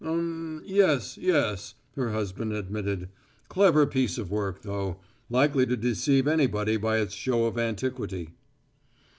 "Um yes, yes," her husband admitted. "Clever piece of work, though. Likely to deceive anybody by its show of antiquity."